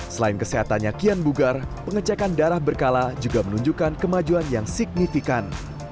selain kesehatannya kian bugar pengecekan darah berkala juga menunjukkan kemajuan yang signifikan